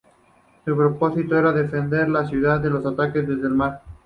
Su propósito era defender la ciudad de los ataques desde el mar.